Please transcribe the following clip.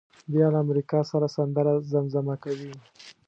بیا له امریکا سره سندره زمزمه کوي.